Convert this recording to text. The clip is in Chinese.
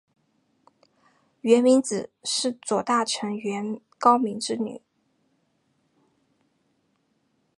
源明子是左大臣源高明之女。